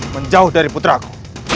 menjauh daripada putriku